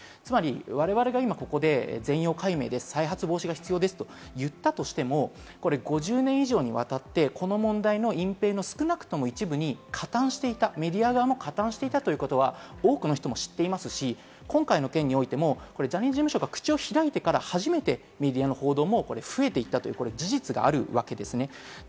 我々が今ここで全容解明で再発防止が必要ですと言ったとしても、５０年以上にわたってこの問題の、隠蔽の少なくとも一部に加担していたメディア側も加担していたということは多くの人も知っていますし、今回の件においてもジャニーズ事務所が口を開いてから初めてメディアの報道も増えていったという事実があるわけです。